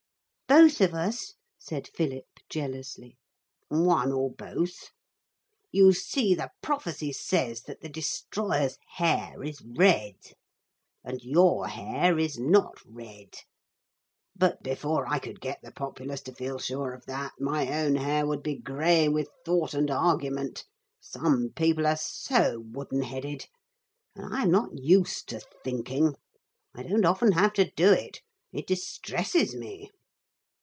'Both of us,' said Philip jealously. 'One or both. You see the prophecy says that the Destroyer's hair is red. And your hair is not red. But before I could get the populace to feel sure of, that my own hair would be grey with thought and argument. Some people are so wooden headed. And I am not used to thinking. I don't often have to do it. It distresses me.'